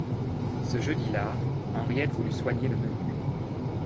Ce jeudi-là, Henriette voulut soigner le menu.